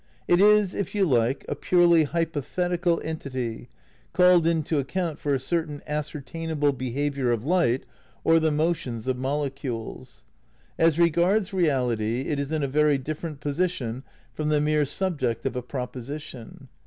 It is, if you like, a purely hypo thetical entity called in to account for a certain ascer tainable behaviour of light or the motions of molecules. As regards reality it is in a very different position from the mere subject of a proposition.